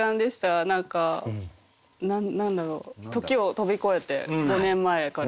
何か何だろう時を飛び越えて５年前から。